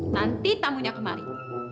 nanti tamunya kemari